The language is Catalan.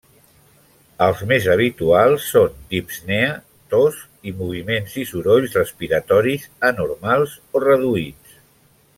Els més habituals són dispnea, tos i moviments i sorolls respiratoris anormals o reduïts.